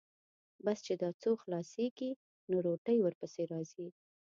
بس چې دا څو خلاصېږي، نو روټۍ ورپسې راځي.